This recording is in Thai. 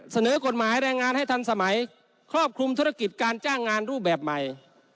เสนอกฎหมายแรงงานให้ทันสมัยครอบคลุมธุรกิจการจ้างงานรูปแบบใหม่